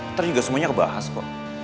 ntar juga semuanya kebahas kok